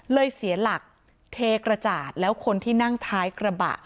เสียหลักเทกระจาดแล้วคนที่นั่งท้ายกระบะ